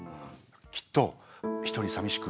きっと一人さみしく